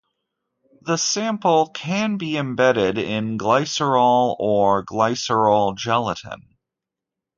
The sample can be embedded in glycerol or glycerol gelatin.